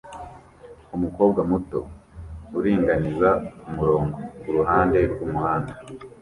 Umukobwa muto uringaniza kumurongo kuruhande rwumuhanda